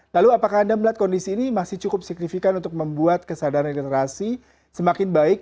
lalu apakah anda melihat kondisi ini masih cukup signifikan untuk membuat kesadaran generasi semakin baik